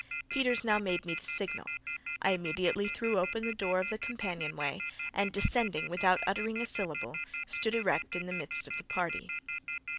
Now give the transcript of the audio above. Peters now made me the signal. I immediately threw open the door of the companion way, and, descending, without uttering a syllable, stood erect in the midst of the party.